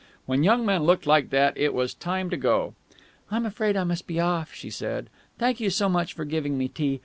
When young men looked like that, it was time to go. "I'm afraid I must be off," she said. "Thank you so much for giving me tea.